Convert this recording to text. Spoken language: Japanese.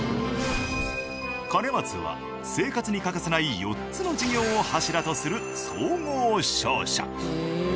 兼松は生活に欠かせない４つの事業を柱とする総合商社。